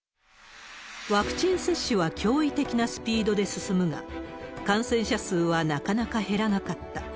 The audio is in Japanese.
ワクチン接種は驚異的なスピードで進むが、感染者数はなかなか減らなかった。